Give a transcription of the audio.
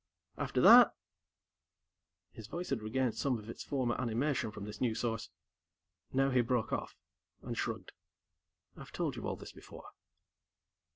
After that " His voice had regained some of its former animation from this new source. Now he broke off, and shrugged. "I've told you all this before."